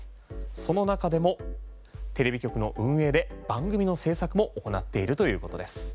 その中でもテレビ局の運営で番組の制作も行っているということです。